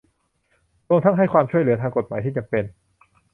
รวมทั้งให้ความช่วยเหลือทางกฎหมายที่จำเป็น